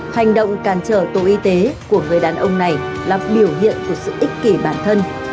hành động càn trở tổ y tế của người đàn ông này là biểu hiện của sự ích kỷ bản thân